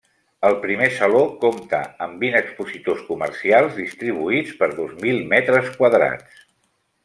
El primer Saló comptà amb vint expositors comercials distribuïts per dos mil metres quadrats.